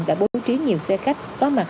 đã bố trí nhiều xe khách có mặt